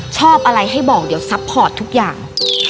ชอบอะไรให้บอกเดี๋ยวซัพพอร์ตทุกอย่าง